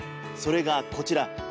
それがこちら